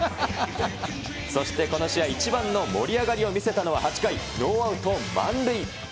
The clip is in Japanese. そして、この試合一番の盛り上がりを見せたのは８回、ノーアウト満塁。